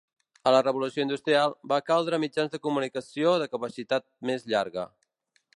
A la revolució industrial, va caldre mitjans de comunicació de capacitat més llarga.